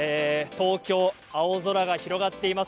東京は青空が広がっています。